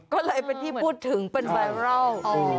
ก็เลยเป็นที่พูดถึงเป็นไวรัล